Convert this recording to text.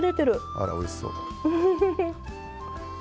あら、おいしそう。